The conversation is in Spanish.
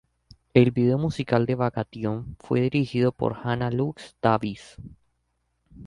El vídeo musical de "Vacation" fue dirigido por Hannah Lux Davis.